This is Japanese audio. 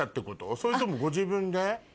それともご自分で？